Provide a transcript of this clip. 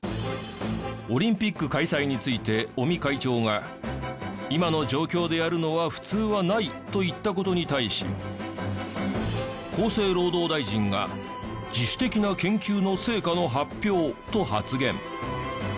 オリンピック開催について尾身会長が今の状況でやるのは普通はないと言った事に対し厚生労働大臣が自主的な研究の成果の発表と発言。